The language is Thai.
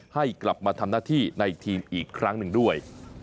ให้กลับมาทำหน้าที่ในทีมอีกครั้งหนึ่งด้วย